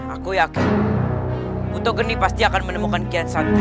aku yakin buto geni pasti akan menemukan kian santang